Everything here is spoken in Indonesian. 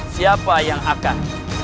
siapa yang akan